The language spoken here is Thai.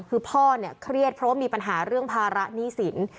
คือพ่อเนี่ยเครียดเพราะว่ามีปัญหาเรื่องภาระหนี้สิน